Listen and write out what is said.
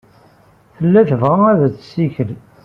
Tella tebɣa ad tessikel.